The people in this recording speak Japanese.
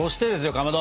かまど！